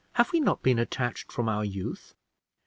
Have we not been attached from our youth?"